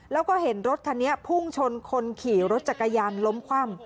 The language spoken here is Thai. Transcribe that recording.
แล้วก็เห็นรถคันนี้พุ่งชนคนขี่รถจักรยานล้มคว่ำ